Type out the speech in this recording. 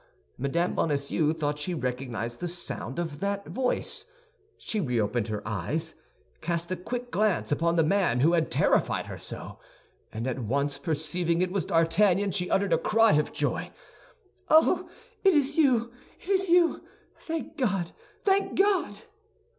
Mme. Bonacieux thought she recognized the sound of that voice; she reopened her eyes, cast a quick glance upon the man who had terrified her so, and at once perceiving it was D'Artagnan, she uttered a cry of joy, "Oh, it is you, it is you! Thank God, thank God!"